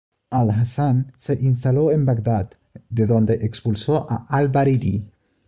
Al-Hasan se instaló en Bagdad, de donde expulsó a Al-Baridi.